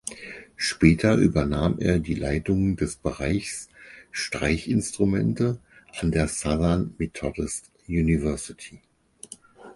Später übernahm er die Leitung des Bereichs Streichinstrumente an der Southern Methodist University.